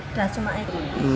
udah cuma itu